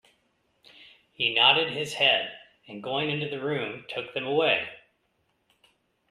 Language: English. He nodded his head, and going into the room took them away.